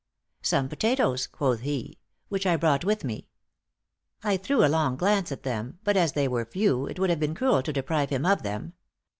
'Some potatoes,' quoth he, 'which I brought with me.' I threw a longing glance at them; but as they were few, it would have been cruel to deprive him of them.